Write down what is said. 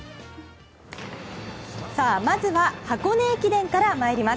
まずは箱根駅伝から参ります。